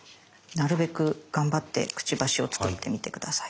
なるべく頑張ってくちばしを作ってみて下さい。